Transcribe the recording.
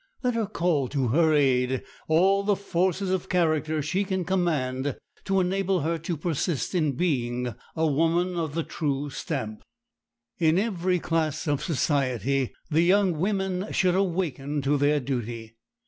Let her call to her aid all the forces of character she can command to enable her to persist in being a woman of the true stamp. In every class of society the young women should awaken to their duty.